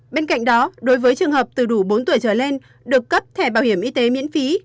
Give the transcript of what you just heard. bên cạnh đó đối với trường hợp từ đủ bốn tuổi trở lên được cấp thẻ bảo hiểm y tế miễn phí